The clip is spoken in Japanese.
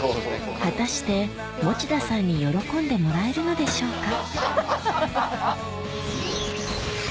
果たして持田さんに喜んでもらえるのでしょうか？